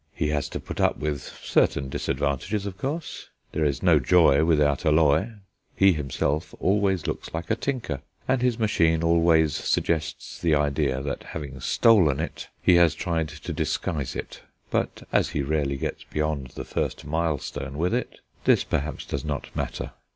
He has to put up with certain disadvantages, of course; there is no joy without alloy. He himself always looks like a tinker, and his machine always suggests the idea that, having stolen it, he has tried to disguise it; but as he rarely gets beyond the first milestone with it, this, perhaps, does not much matter.